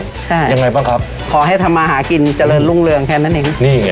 ใช่ยังไงบ้างครับขอให้ทำมาหากินเจริญรุ่งเรืองแค่นั้นเองนี่